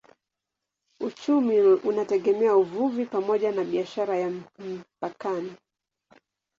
Uchumi unategemea uvuvi pamoja na biashara ya mpakani.